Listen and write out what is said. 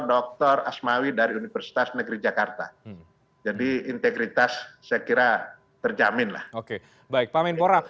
dr asmawi dari universitas negeri jakarta jadi integritas sekira terjamin oke baik pamen pora